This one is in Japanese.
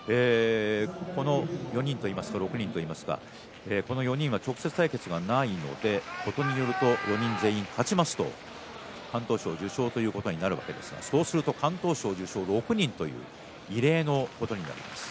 この４人といいますか６人といいますかこの４人は直接対決がないのでことによると４人全員勝ちますと敢闘賞受賞ということになるわけですが、そうすると敢闘賞受賞６人という異例のことになります。